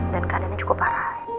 dan keadaannya cukup parah